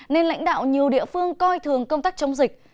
nên lãnh đạo nhiều địa phương coi thường công tác chống dịch